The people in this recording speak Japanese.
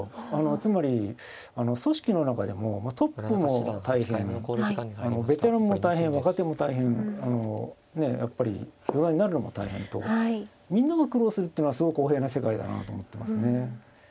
つまり組織の中でもトップも大変ベテランも大変若手も大変あのねえやっぱり四段になるのも大変とみんなが苦労するってのはすごく公平な世界だなと思ってますね。